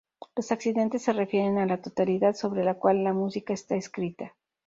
Los accidentes se refieren a la tonalidad sobre la cual la música está escrita.